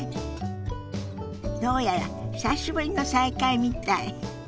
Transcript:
どうやら久しぶりの再会みたい。